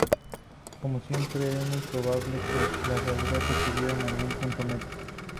Como siempre es muy probable que la realidad estuviera en algún punto medio.